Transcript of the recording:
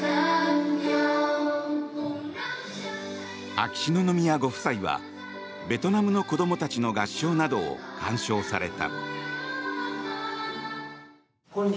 秋篠宮ご夫妻はベトナムの子どもたちの合唱などを鑑賞された。